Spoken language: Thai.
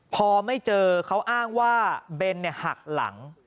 พอไม่เจอเขาอ้างว่าเบนหักหลัง